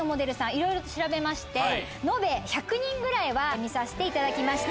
いろいろと調べまして延べ１００人ぐらいは見させていただきました。